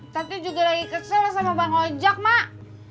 tadi juga lagi kesel sama bang ojak mak